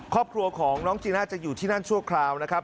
ครอบครัวของน้องจีน่าจะอยู่ที่นั่นชั่วคราวนะครับ